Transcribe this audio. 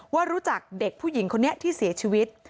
ว่ารู้จักเด็กผู้หญิงคนนี้ที่เสียชีวิต